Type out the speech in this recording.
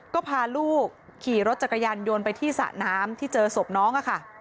ก็พาลูกขี่รถจักรยานยนต์ไปที่สระน้ำที่เจอศพน้องค่ะ